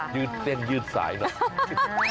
ยืดเส้นยืดสายหน่อย